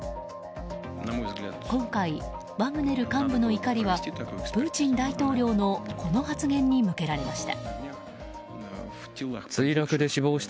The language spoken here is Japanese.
今回、ワグネル幹部の怒りはプーチン大統領のこの発言に向けられました。